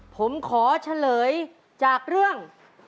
ผมขอเฉลยจากเรื่อง